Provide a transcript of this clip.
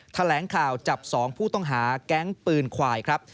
แถลงข่าวจับ๒ผู้ต้องหาแก๊งปืนควายครับ